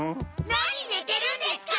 何ねてるんですか！？